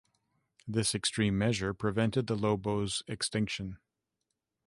This extreme measure prevented the lobos' extinction.